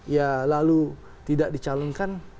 ya lalu tidak dicalonkan